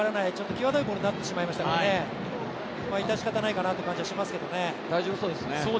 きわどいボールになってしまいましたから致し方ないかなという感じはしますけどね。